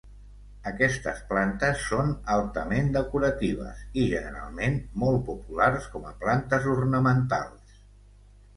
Aquestes plantes són altament decoratives i, generalment, molt populars com a plantes ornamentals.